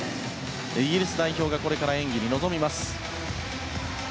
イギリス代表がこれから演技に臨みます。